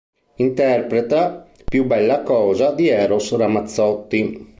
Interpreta "Più bella cosa" di Eros Ramazzotti.